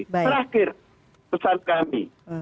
terakhir pesan kami